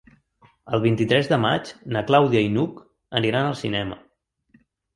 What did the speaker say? El vint-i-tres de maig na Clàudia i n'Hug aniran al cinema.